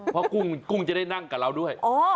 เพราะกุ้งจะได้นั่งกับเราด้วย